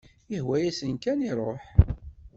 Ihwa-yas kan iruḥ.